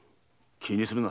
気にするな。